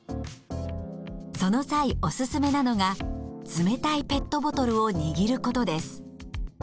その際おすすめなのが冷たいペットボトルを握ることです。